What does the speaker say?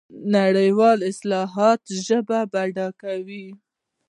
نړیوالې اصطلاحات ژبه بډایه کوي.